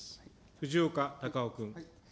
藤岡隆雄君。